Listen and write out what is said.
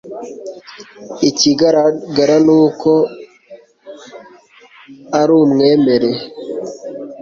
Ikigaragara ni uko ari umwere